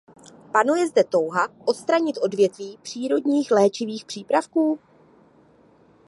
Panuje zde touha odstranit odvětví přírodních léčivých přípravků?